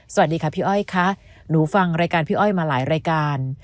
สวัสดีค่ะพี่อ้อยค่ะหนูฟังรายการพี่อ้อยมาหลายรายการ